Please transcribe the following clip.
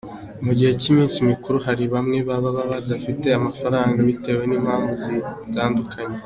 Mu gihe cy’iminsi mikuru hari bamwe baba badafite amafaranga bitewe n’impamvu zitandukanye.